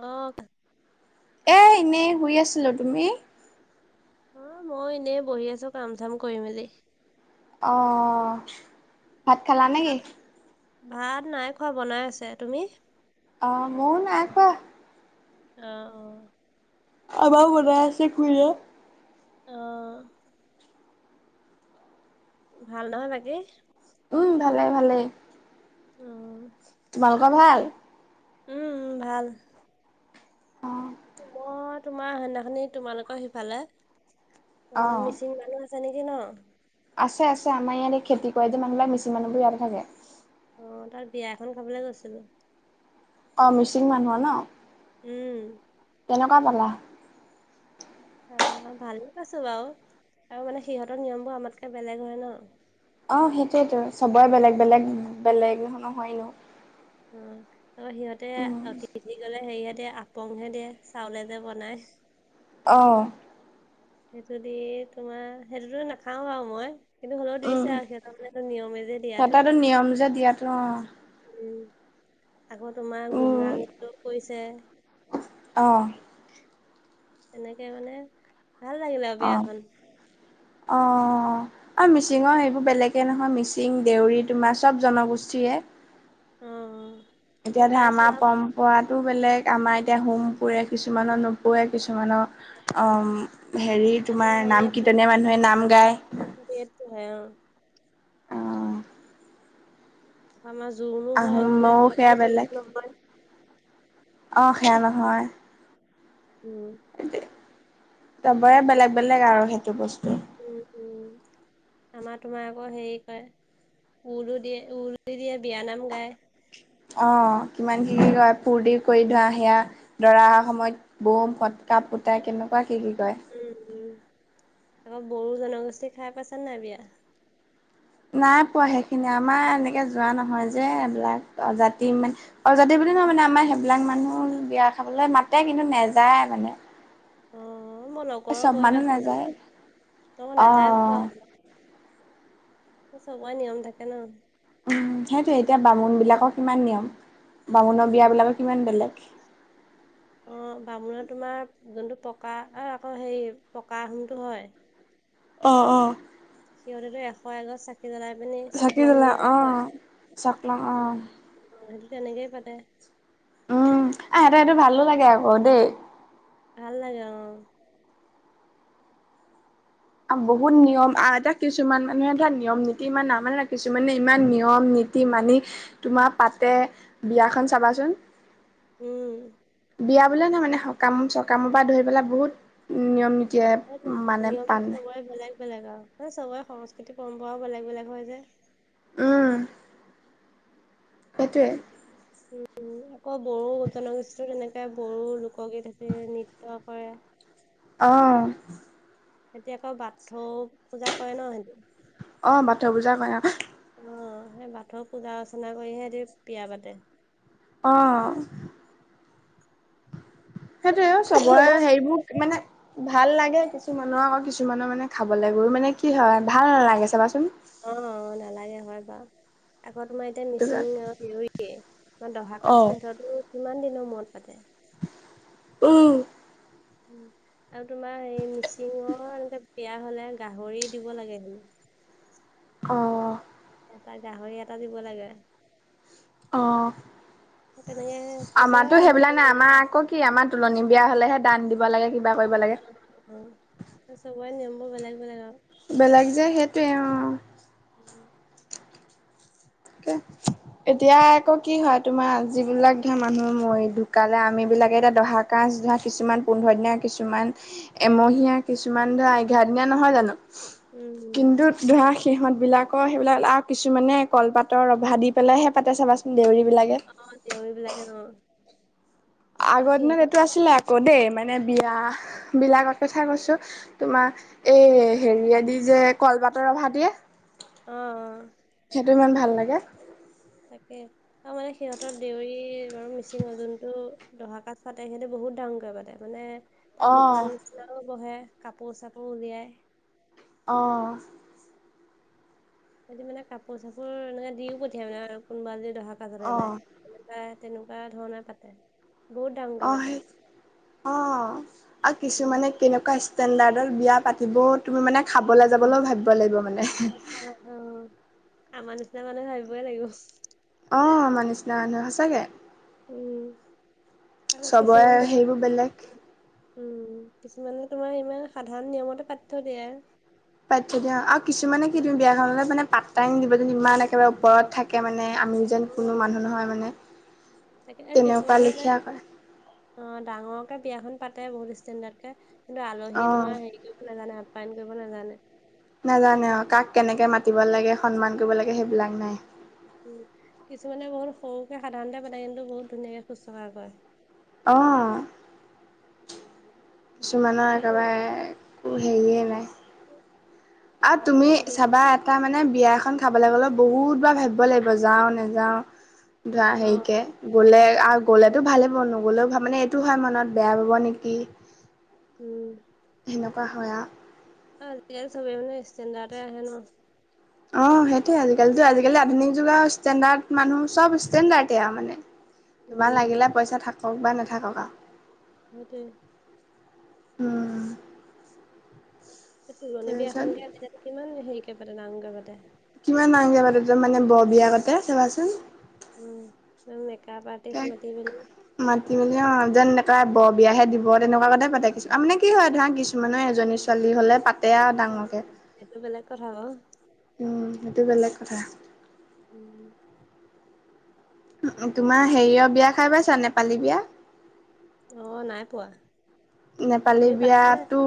অ'। এ এনেই শুই আছিলোঁ তুমি অ মই এনে বহি আছো কাম চাম কৰি মেলি। অঁ ভাত খালা চাহ নেকি? ভাত নাই খোৱা বনাই আছে তুমি অ ম নাই কুৱোৱা। অ অ অবও বনছে খুৰিয়ে। অ'। ভাল নহয় বাকী। উম, ভালে ভালে। অ'। তোমালোকৰ ভাল। উম, উম, ভাল। অঁ মই তোমাৰ সেনাখনি তোমালোকৰ সিফালে অ মিচিং মানুহ আ ছে নেকি ন আছে আছে আমাৰ ইয়াতে খেতি কৰে যে মানুহবিলাক মিচিং মানু্হবোৰ ইয়াতে থাকে অ তাত বিয়া এখন খাবলৈ গৈছিলোঁ অঁ মিচিং মানুহ ন উম কেনেকা পালা? অ ভালে পাইছো বাও আৰু মানে সিহঁতৰ নিয়মবোৰ আমাতকে বেলেগ হয় ন অ সেইটোয়েতো চবৰে বেলেগ বেলেগ বেলেগ নহ নহয় নো উম ত সিহঁতে উম অতিথি গলে হেৰিঁতে আপংহে দিয়ে চাউলে যে বনাই অ সেইটো দি তোমাৰ সেইটোতো নাখাও আৰু মই কিন্তু হ'লেও উম দিছে আও সিহঁতৰ মানে নিয়মে যে দিয়াটো সিহঁতৰতো নিয়ম যে দিয়াতো অ উম আকৌ তোমাৰ উম গুমৰাং নৃত্যও কৰিছে অ তেনেকে মানে ভাল লাগিলে আঅ বিয়াখন অঁ আৰু মিচিঙৰ সেইবোৰ বেলেগে নহয় মিচিং, দেউৰী তোমাৰ চব জনগোষ্ঠীয়ে অ অ এতিয়া ধে আমা পম পৰাটো বেলেগ আমাৰ এতিয়া হোম পুৰে কিছুমানৰ নোপৰে কিছুমান অ হেৰি আমাৰ তোমাৰ নাম কীৰ্তনিয়া মানুহে নাম গায় সেটোহে অ ত আমাৰ জোৰণো হয় আগদিনা আহোমৰো সেয়া সিহঁতও বেলেগ জোৰন নহয় অ সেয়া নহয় উম সেইটোৱে তবৰে বেলেগ বেলেগ আৰু সেইটো বস্তু উম উম আমাৰ তোমাৰ আকৌ হেৰি কয় উৰু দিয়ে উৰু দিয়ে বিয়ানাম গায় অ কিমান কি কি কয় ফূুৰ্তি কৰি দয়া সেয়া দৰা অহাৰ সময়ত বৌম ফটকা ফুতাই কেনেকা কি কি কয় উম উম আমা বড়ো জনগোষ্ঠী খাই পাইছা নাই বিয়া? নাইপোৱা সেইখিনি আমাৰ এনেকে যোৱা নহয় যে এইবিলাক জাতি ইমানে অজাতি বুলি নহয় মানে আমাৰ সেইবিলাক মানুহ বিয়া খাবলে মাতে কিন্তু নেযায় মানে অ অ মই নগ লগৰ চব গৈ মানুহ পাইছো মানে নাযায় ত অ নাযায় চবই নিয়ম থাকে ন উম সেইটোৱে এতিয়া বামুণবিলাকৰ কিমান নিয়ম বামুণৰ বিয়া উম বিলাকৰ কিমান বেলেগ অ বামুণৰ তোমাৰ যোনটো পকা আৰু আকৌ হেৰি পকা আহোমটো হয় অ অ সিহঁতেতো এশ এগচ চাকি জ্বলাই পিনি চক চাকি লং জ্বলা বুলি যে অঁ কয় চকলং অ অঁ সেইটো তেনেকেই পাতে উম আহ সেত এইটো ভালো লাগে আকৌ দেই ভাল লাগে অ আও বহুত নিয়ম আও এটা কিছুমান মানুহে ধৰা নিয়ম নীতি ইমান নামানে কিছুমানে ইমান নিয়ম নীতি মানি, তোমাৰ পাতে বিয়াখন চাবাচোন, উম বিয়া বুললে নয় মানে সকাম চকামৰ পৰা ধৰি পেলাই বহুত, নিয়ম অ নীতিয়ে সেইটো মানে নিয়ম পান, চবৰে বেলেগ বেলেগ আৰু মানে চবৰে সংস্কৃতিক পৰম্পৰাও বেলেগ বেলেগ হয় যে, উম সেইটোৱে, উম আকৌ বড়ো জনগোষ্ঠী তেনেকে বড়ো লোকগীত আছে নৃত্য কৰে। অ সিহতি আকৌ বাথৌ পূজা কৰে ন সিহটি, অ বাথৌ পূজা কৰে অ, অ সেই বাথৌ পূজা অৰ্চনা কৰিহে সিহঁতি বিয়া পাতে। অ সেইটোয়ে চবৰে হেৰিবোৰ মানে, ভাল লাগে কিছুমানৰ আকৌ কিছুমানৰ মানে খাবলৈ মানে কি হয় ভাল নালাগে চাবাচোন, অ অ নালাগে হয় বাউ, আকৌ তোমাৰ এতিয়া সেইটো মিচিং হউৰয়ে তোমাৰ দহা অ কাজটো সিহততো কিমান দিনৰ মূৰত পাতে, উম আৰু তোমাৰ হে মিচিঙৰ এনেকে বিয়া হলে গাহৰি দিব লাগে হেনো, অঁ এটা গাহৰি এটা দিব লাগে। অ তেনেকে চবৰে আমাৰ টো সেইবিলা নিয়মবোৰ নাই বেলেগ আমাৰ আকৌ, কি আমাৰ তুলনী বিয়া হ'লেহে দান দিব লাগে কিবা কৰিব লাগে। অ চবৰে নিয়ম বোৰ বেলেগ বেলেগ আৰু, বেলেগ যে সেইটোৱে অ, উম ক এতিয়া আকৌ কি হয় তোমাৰ যিবিলাক ধৰা মানুহ মৰি ঢুকালে আমি বিলাকে এতিয়া দহাত, কাজ ধৰা কিছুমান পোন্ধৰ দীনিয়া কিছুমান এমহীয়া, কিছুমান ধৰা অ', এঘাৰ দিনা নহয় জানো উম, কিন্তু, ধৰা সিহঁতবিলাকৰ সেইবিলাক আৰু কিছুমানে কলপাত, ৰ ৰভা দি পেলাইহে পাতে চাবাচোন দেউৰী বিলাকে, অ দেউৰী বিলাকে অ, আৰু আগৰ দিনত সিহঁতে এইটো মানে আছিলে আকৌ দেই মানে বিয়াবিলাকৰ কথা কৈছোঁ, তোমাৰ এই হেৰিয়দি যে কলপাতৰ ৰভা দিয়ে, অ অ সেইটো ইমান ভাল লাগে। তাকে তাৰ মানে সিহঁতৰ দেউৰী বাৰু মিচিঙৰ যোনটো দহা কাজ পাতে সিহঁটো বহুত ডাঙকৈ পাতে, মানে তাত অ দোকান নিচিনাও বহে কাপোৰ চাপোৰ উলিয়ায়। অঁ সিহঁতি মানে কাপোৰ চাপোৰ এনেকে দিও পঠিয়া মানে আৰু কোনোবা যদি দহা অ কাজলৈ যায়। তেনেকুৱা তেনেকুৱা ধৰনে পাতে। বহুত ডাঙৰকে অ পাতে হে, অ, আৰু উম, কিছুমানে কেনেকুৱা ষ্টেণ্ডাৰ্ডত বিয়া পাতিব। তুমি মানে খাবলৈ অ, যাবলৈও ভাবিব লাগিব মানে। সঁচা অ, আমাৰ নিচিনা মানুহে ভাবিবই লাগিব। অঁহ আমাৰ নিচনা নহয় সঁচাকে। উম, আকৌ চবৰে কিছুমান দকা- সেইবোৰ বেলেগ উম কিছুমানে তোমাৰ ইমান সাধাৰণ নিয়মতে পাতি থৈ দিয়ে। পাতি থৈ দিয়ে অহ আৰু কিছুমানে কি দিওঁ বিয়াখনলে মানে পাতাই দিব ইমান একেবাৰে ওপৰত থাকে মানে আমি- যেন অ কোনো মানুহ নহয় মানে। তাকে আৰু তেনেকুৱা কিছুমানৰ- লিখিয়া কয় অ ডাঙৰকে বিয়াখন পাতে বহুত ষ্টেণ্ডাৰ্ড কে কিন্তু আলহী অঁ তোমাৰ হেৰি- নাজানে আপ্যায়ন কৰিব নাজানে। নাজানে অ কাক কেনেকে মাতিব লাগে সন্মান কৰিব লাগে সেইবিলাক নাই। উম, কিছুমানে বহুত সৰুকে সাধাৰণতে পাতে কিন্তু বহুত ধুনীয়াকে শুশ্ৰূষা কৰে। অঁহ। কিছুমানৰ একেবাৰে একো হেৰিয়েই নাই। আৰু তুমি সেইটোৱে বিশেষ চাবা- তাৰ মানে বিয়া এখন খাবলৈ গ'লেও বহুত বাৰ ভাবিব লাগিব যাওঁ নেযাওঁ। ধৰা অ হেৰিকে- গ'লে আৰু গ'লেতো ভালিব নগলেও মানে এইটো হয় মনত বেয়া পাব নেকি। উম। সেনেকুৱা হয় আৰু। আৰু আজি কালি চব মানেষ্টণ্ড আহে ন। অ সেইটোৱে আজিকালিতো আজিকালি আধুনিক যুগৰ ষ্টেণ্ডাৰ্ড মানুহ চব ষ্টেণ্ডাৰ্ডে আৰু মানে। তোমাৰ উম লাগিলে পইচা থাকক বা নাথাকক আৰু। সেইটোৱে। উম। তুলণি তাৰপিছত বিয়াখনকে কিমান হেৰিকে ডাঙৰকে পাতে। কিমান ডাঙৰকে পাতে মানে বৰ বিয়া কতে চাবাচোন। উম, মেকাপ তাক আৰ্টিষ্ট মাতি পিনি। মাতি মেলি অ যেননেকা বৰ বিয়াহে দিব তেনেকুৱা কতে পাতিব কিছু আ মানে- কি হয় ধৰা কিছুমানৰ এজনী ছোৱালী হ'লে পাতে আৰু অ ডাঙৰকে। সেইটো বেলেগ কৰা বাওঁ। উম সেইটো বেলেগ কথা। উম। তোমাৰ হেৰিয়ৰ বিয়া খাই পাইছা নেপালী বিয়া? অ নাই পোৱা। নেপালী তুমি পাইছানে বিয়াতটো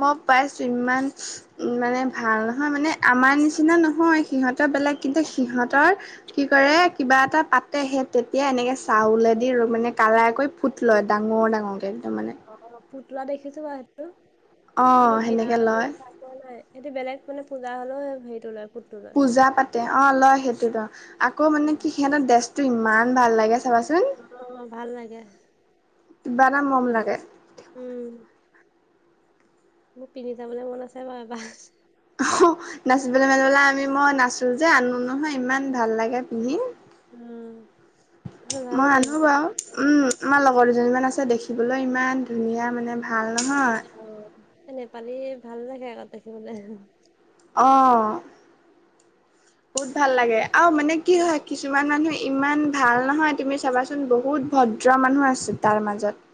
মই পাইছোঁ ইমান- উম মানে ভাল নহয় মানে আমাৰ নিচিনা নহয় সিহঁতৰ বেলোক কিন্তু সিহঁতৰ- কি কৰে কিবা এটা পাতে সেই তেতিয়া এনেকে চাউলেদি মানে কালাই কৰি- ফুট লয় ডাঙৰ ডাঙৰকৈ একদম মানে। অ ফুট লোৱা দেখিছো বাৰু সেইটো, কিন্তু অ' সেনেকে বিয়াৰ হে লয় খাই- পোৱা নাই সেইটো বেলেগ মানে পূজা হলেও হেৰিটো লয়। লয়। পূজা পাতে অ লয় সেইটোতো আকৌ মানে উম। কি সিহঁতৰ ড্ৰেছটো ইমান ভাল লাগে চাবাচোন। অ ভাল লাগে। কিবা এটা মৰম লাগে। উম। মোৰ পিন্ধি যাবলৈ মন আছে বাৰু এবাৰ। অহ নাচিবলৈ মেলিবলৈ আমি মই নাচো যে আনো নহয় ইমান ভাল লাগে পিন্ধি। উম, ভাল মই লাগে আনো সঁচাকে বাৰু। উম আমাৰ লগৰ দুজনীমান আছে দেখিবলৈও ইমান ধুনীয়া মানে ভাল নহয়। অ' নেপালী ভাল লাগে আকৌ দেখিবলৈ। অ'। বহুত ভাল লাগে আৰু মানে কি হয় কিছুমান মানুহ ইমান ভাল নহয় তুমি চাবাচোন বহুত ভদ্ৰ মানুহ আছে তাৰ মাজত।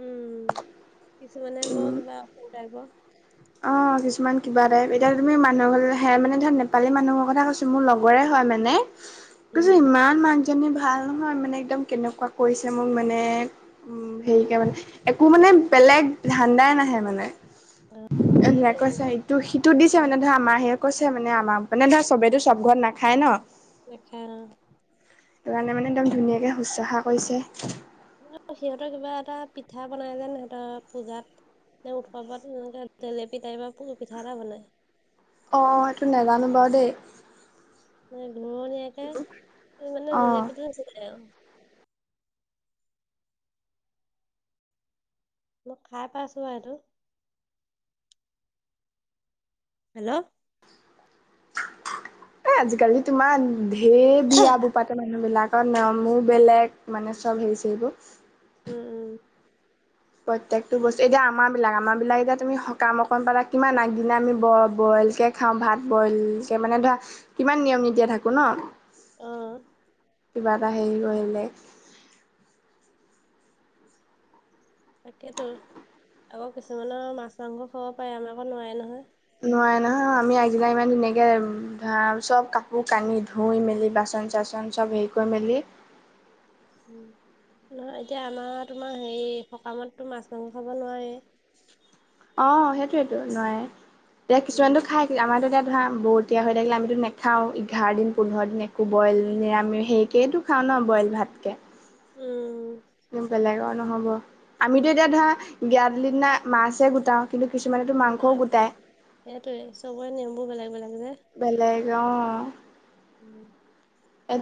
উম কিছুমানে ব উম কিবা [unintelligible] অ' কিছুমান কিবা টাইপ এতিয়া তুমি মানুহৰে মানে ধৰা নেপালী মানুহৰ কথা কৈছোঁ মোৰ লগৰে হয় মানে উম তাৰপিছত ইমান মাকজনী ভাল নহয় মানে একদম কেনেকুৱা কৰিছে মোক মানে উম অ হেৰিকে মানে একো মানে বেলেগ ধান্দাই নাহে মানে। অ', সেইটোৱে মানে [unintelligible] ত' সিটো দিছে মানে ধৰা মাহীয়ে কৈছে মানে আমাক মানে ধৰা চবেটো চব ঘৰত নাখায় ন'। নেখায় অ'। সেইটো কাৰণে মানে একদম ধুনীয়াকৈ শুশ্ৰূষা কৰিছে। সিহঁতৰ কিবা এটা পিঠা বনাই যেন সিহঁতৰ পূজাত। উৎসৱত তেনেকা জেলেপি টাইপৰ পিঠা এটা বনায়। অ' সেইটো নেজানো বাৰু দেই। মানে ঘূৰণীয়াকে মানে অ জেলেপীটো নিছিনাই আৰু। ম‌ই খাই পাইছো আৰু এইটো। হেল্ল'। এ আজিকালি তোমান ধেৰ বিয়া বোৰ পাতে মানে। মানুহ বিলাকৰ নামো বেলেগ মানে চব হেৰি-চেৰি বোৰ। উম, উম। প্ৰত্যেকটো বস্তু এতিয়া আমাৰ বিলাক, আমাৰ বিলাক এতিয়া তুমি সকাম অকণ পালা কিমান আগদিনা আমি ব বইল কে। খাওঁ ভাত বইলকে মানে ধৰা কিমান নিয়ম নীতিৰে থাকোঁ ন'। অ'। কিবা এটা হেৰি কৰিলে। তাকেতো আকৌ কিছুমানৰ মাছ-মাংস খাব পাৰে আমাৰ আকৌ নোৱাৰে নহয়। নোৱাৰে নহয় আমি আগদিনা ইমান ধুনীয়াকে ভা চব কাপোৰ কানি ধুই মেলি বাচন চাচন [unintelligible] চব হেৰি কৰি মেলি। উম, নহয় এতিয়া আমাৰ তোমাৰ হেৰি সকামতটো মাছ মাংস খাব নোৱাৰে। অ' সেইটোৱেটো নোৱাৰে এতিয়া উম কিছুমানেটো খাই। আমাৰতো এতিয়া ধৰা বৰতীয়া হৈ থাকিলে আমিতো নেখাওঁ এঘাৰ দিন পোন্ধৰ দিন একো বইল নিৰামিষ সেইকেই টো খাওঁ ন' বইল ভাতকে। উম। বেলেগ আৰু নহ'ব আমিতো এতিয়া ধৰা [unintelligible] দিনা মাছহে গোটাও কিন্তু কিছুমানেতো মাংসও নাই পোৱা, গোটাই সেইটোয়ে চবৰে নিয়মবোৰ বেলেগ বেলেগ যে। বেলেগ অ'। উম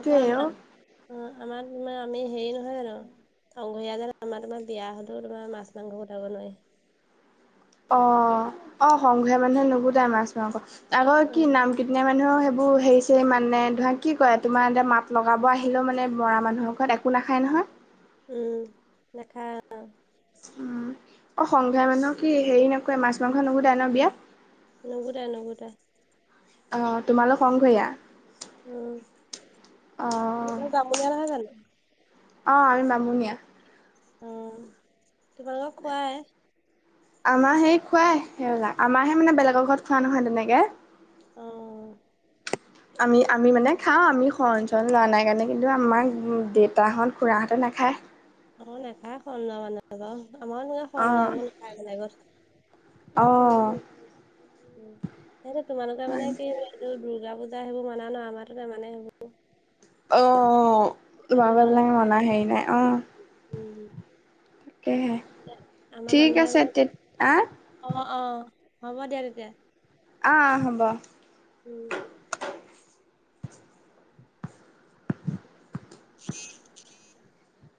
আকৌ আমাৰ অ' আমাৰ আমি হেৰি নহয় জানো। শংকৰীয়া যে আমাৰ তোমাৰ বিয়া হ'লেও তোমাৰ মাছ মাংস গোটাব নোৱাৰি। অ' অ শংকৰীয়া মানুহে নুগুতাই মাছ মাংস আগৰ কি উম নাম [unintelligible] মানুহেও সেইবোৰ হেৰি-চেৰি মানে ধৰা কি কয় তোমাৰ এতিয়া মাত লগাব আহিলেও মানে মৰা মানুহৰ ঘৰত একো একো নাখায় নহয়। উম, নেখায় [unintelligible] উম, অ' সংঘীয়া মানুহ কি হেৰি নকৰে, মাছ-মাংস নুগুটায় ন' বিয়াত? নুগুটায় নুগুটায়। অ', তোমালোক সংঘইয়া? উম অ', আমি বামুণীয়া। [unintelligible] অ, তোমালোকক খোৱাই? আমাৰ সেই খোৱাই সেইবিলাক। আমাৰহে মানে বেলেগৰ ঘৰত খোৱা নহয় তেনেকে। অ আমি আমি মানে খাওঁ। আমি খ লোৱা নাই কাৰণে কিন্তু আমাৰ দেউতাহঁত খুৰাহঁতে নাখায়। অ নেখায় [unintelligible] আমাৰা [unintelligible] খায় বেলেগত। অঁ। উম, সেইটো তোমালোকে মানে অ'। কি হয়, এইটো দুৰ্গা পূজা সেইবোৰ মানা ন' আমাৰ তাতে নামানে সেই। অ' [unintelligible] তোমালোকক খাই মনা আৰু, হেৰি নাই অ'। উম, তাকেহে [unintelligible] আমাৰ ঠিক মানুহে [unintelligible] আছে তে আ অ'-অ, হ'ব দিয়া তেতিয়া। অ', হ'ব। উম। [inaudible]